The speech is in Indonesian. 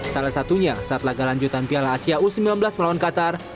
salah satunya setelah galan jutan piala asia u sembilan belas melawan qatar